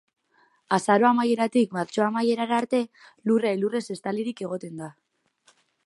Azaro amaieratik martxo amaiera arte lurra elurrez estalirik egoten da.